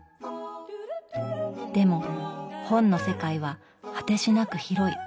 でも本の世界は果てしなく広い。